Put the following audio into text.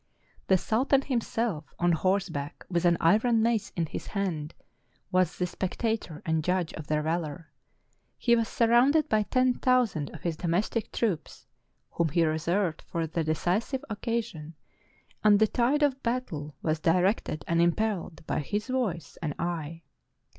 The sultan himself, on horse back, with an iron mace in his hand, was the spectator and judge of their valor: he was surrounded by ten thousand of his domestic troops, whom he reserved for the decisive occasion; and the tide of battle was directed and impelled by his voice and eye.